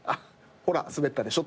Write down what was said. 「ほらスベったでしょ」